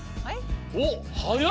おっはやい！